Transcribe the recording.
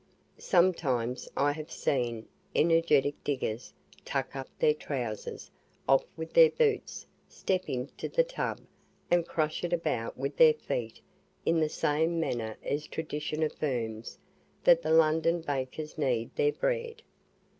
Sometimes I have seen energetic diggers tuck up their trowsers, off with their boots, step into the tub, and crush it about with their feet in the same manner as tradition affirms that the London bakers knead their bread.